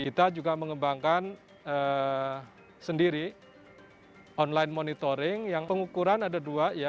kita juga mengembangkan sendiri online monitoring yang pengukuran ada dua ya